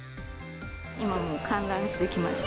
今も観覧してきました。